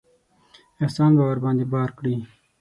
احسان به ورباندې بار کړي.